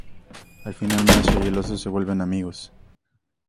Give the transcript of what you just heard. Al final, Masha y el oso se vuelven amigos.